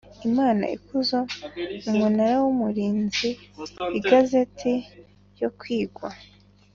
Imana ikuzo Umunara w Umurinzi Igazeti yo kwigwa